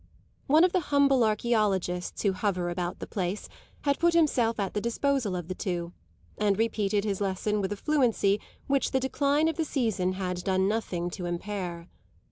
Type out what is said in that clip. One of the humble archeologists who hover about the place had put himself at the disposal of the two, and repeated his lesson with a fluency which the decline of the season had done nothing to impair.